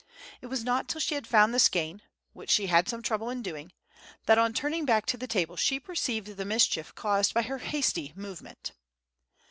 It was not till she had found the skein (which she had some trouble in doing), that on turning back to the table she perceived the mischief caused by her hasty movement.